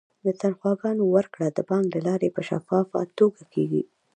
د تنخواګانو ورکړه د بانک له لارې په شفافه توګه کیږي.